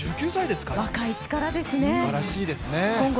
すばらしいですね。